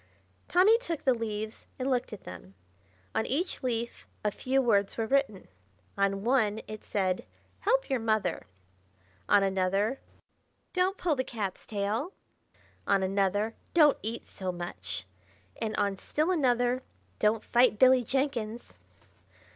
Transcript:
Tommy took the leaves and looked at them. On each leaf a few words were written. On one it said, "Help your mother!" On another, "Don't pull the cat's tail!" On another, "Don't eat so much!" And on still another, "Don't fight Billy Jenkins!"